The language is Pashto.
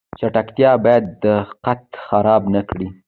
چټکتیا باید دقت خراب نکړي